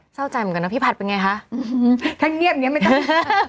เศร้าใจเหมือนกันนะพี่ผัดเป็นไงคะถ้าเงียบเงียบไม่ต้อง